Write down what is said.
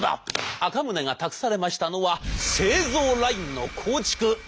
赤宗が託されましたのは製造ラインの構築。